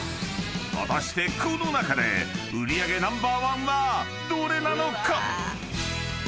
［果たしてこの中で売り上げナンバーワンはどれなのか？］